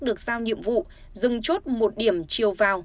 được giao nhiệm vụ dừng chốt một điểm chiều vào